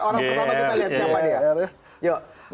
orang pertama kita lihat siapa ya